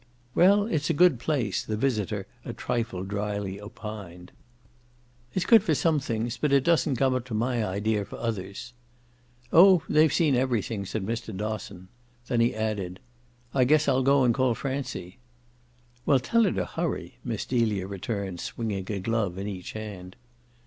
"Well, it's a good place," the visitor a trifle dryly opined. "It's good for some things but it doesn't come up to my idea for others." "Oh they've seen everything," said Mr. Dosson. Then he added: "I guess I'll go and call Francie." "Well, tell her to hurry," Miss Delia returned, swinging a glove in each hand.